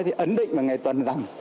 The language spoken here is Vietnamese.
nó thì ấn định vào ngày tuần rằm